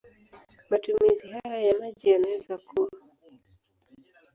Matumizi hayo ya maji yanaweza kuwa